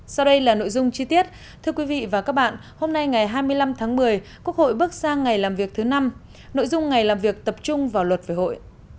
sau đây là nội dung chi tiết thưa quý vị và các bạn hôm nay ngày hai mươi năm tháng một mươi quốc hội bước sang ngày làm việc thứ năm nội dung ngày làm việc tập trung vào luật về hội